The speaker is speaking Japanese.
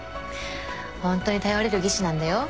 ホントに頼れる技師なんだよ